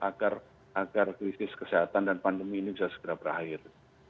agar krisis kesehatan dan pandemi ini bisa segera berakhir